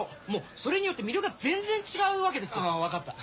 それによって魅力が全然違うわけですよ。ああわかった。